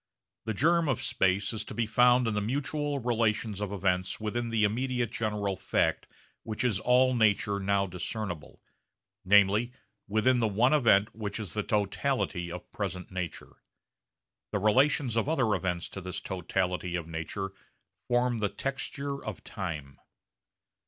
The germ of space is to be found in the mutual relations of events within the immediate general fact which is all nature now discernible, namely within the one event which is the totality of present nature. The relations of other events to this totality of nature form the texture of time.